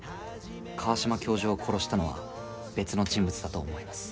川島教授を殺したのは別の人物だと思います。